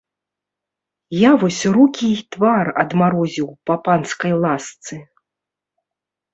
Я вось рукі і твар адмарозіў па панскай ласцы.